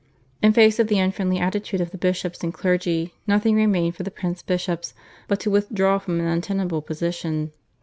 In face of the unfriendly attitude of the bishops and clergy nothing remained for the prince bishops but to withdraw from an untenable position.